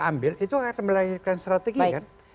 ambil itu akan melahirkan strategi kan